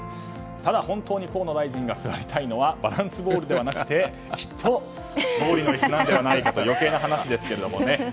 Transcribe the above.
ただ、本当に河野大臣が座りたいのはバランスボールではなくてきっと総理の椅子ではないかという余計な話ですけどね。